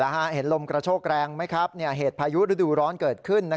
เห็นลมกระโชกแรงไหมครับเหตุพายุฤดูร้อนเกิดขึ้น